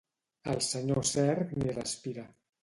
El senyor Cerc ni respira.